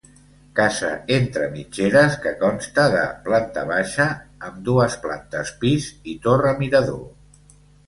Casa entre mitgeres que consta de planta baixa, amb dues plantes pis i torre mirador.